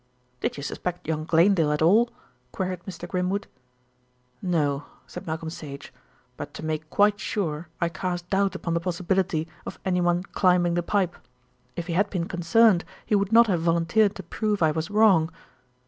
"Did you suspect young Glanedale at all?" queried Mr. Grimwood. "No," said Malcolm Sage, "but to make quite sure I cast doubt upon the possibility of anyone climbing the pipe. If he had been concerned he would not have volunteered to prove I was wrong."